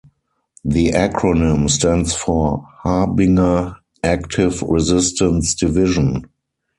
The acronym stands for "Harbinger Active Resistance Division".